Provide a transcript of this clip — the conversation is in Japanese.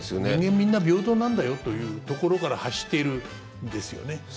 人間みんな平等なんだよというところから発しているんですよね。